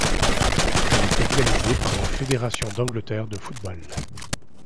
Elle est organisée par la Fédération d'Angleterre de football.